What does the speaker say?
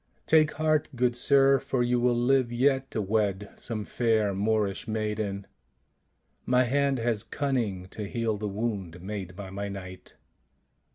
' Take heart, good sir, for you will live yet to wed some fair Moorish maiden; my hand has cunning to heal the wound made by my knight."